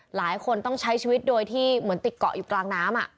หลายคนต้องใช้ชีวิตโดยที่เหมือนติดเกาะอยู่กลางน้ำ